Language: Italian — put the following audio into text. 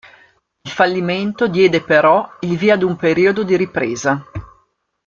Il fallimento diede, però, il via ad un periodo di ripresa.